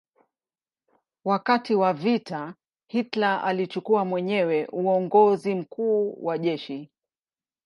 Wakati wa vita Hitler alichukua mwenyewe uongozi mkuu wa jeshi.